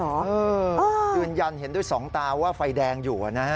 เออยืนยันเห็นด้วย๒ตาว่าไฟแดงอยู่นะ